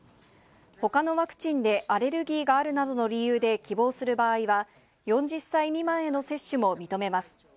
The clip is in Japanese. ほかのワクチンでアレルギーがあるなどの理由で希望する場合は、４０歳未満への接種も認めます。